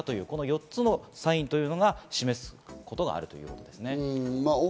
この４つのサインというのを示すことがあるということですね。